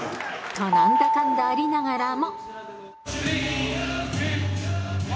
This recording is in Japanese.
と、なんだかんだありながらも。